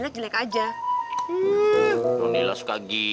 nanti gue ambil uang mau tuang